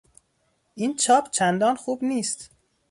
این چاپ چندان خوب نیست.